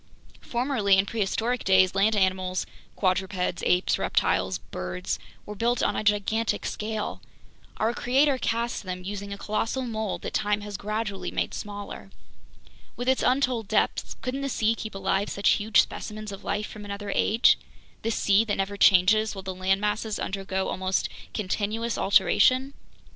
Formerly, in prehistoric days, land animals (quadrupeds, apes, reptiles, birds) were built on a gigantic scale. Our Creator cast them using a colossal mold that time has gradually made smaller. With its untold depths, couldn't the sea keep alive such huge specimens of life from another age, this sea that never changes while the land masses undergo almost continuous alteration?